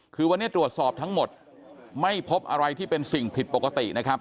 คือวันนี้ตรวจสอบทั้งหมดไม่พบอะไรที่เป็นสิ่งผิดปกตินะครับ